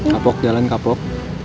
kapok jalan kapok